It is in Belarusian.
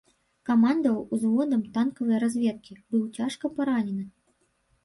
Камандаваў узводам танкавай разведкі, быў цяжка паранены.